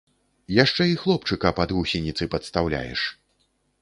Яшчэ і хлопчыка пад гусеніцы падстаўляеш.